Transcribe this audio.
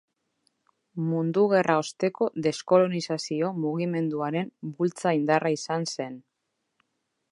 Mundu Gerra osteko deskolonizazio mugimenduaren bultza-indarra izan zen.